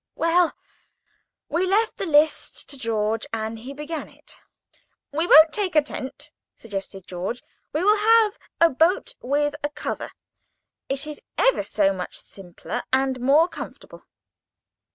Well, we left the list to George, and he began it. [Picture: Tent] "We won't take a tent," suggested George; "we will have a boat with a cover. It is ever so much simpler, and more comfortable."